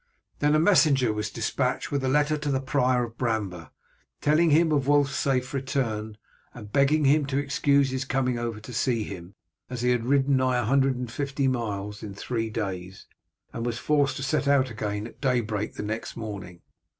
Then a messenger was despatched with a letter to the prior of Bramber, telling him of Wulf's safe return, and begging him to excuse his coming over to see him, as he had ridden nigh a hundred and fifty miles in three days, and was forced to set out again at daybreak the next morning.